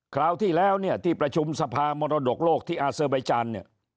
คราวที่แล้วเนี่ยที่ประชุมสภามรดกโลกที่อาเซอร์ไบจานเนี่ย